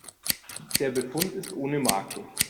Der Befund ist ohne Makel.